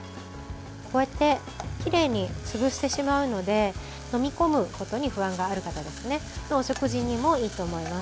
こうやってきれいに潰してしまうので飲み込むことに不安がある方のお食事にもいいと思います。